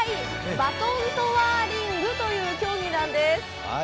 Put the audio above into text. バトントワーリングという競技なんです。